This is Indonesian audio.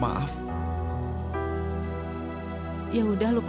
sudah sembilan belas tahun dia menghilang